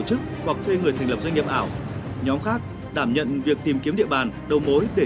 chức hoặc thuê người thành lập doanh nghiệp ảo nhóm khác đảm nhận việc tìm kiếm địa bàn đầu mối để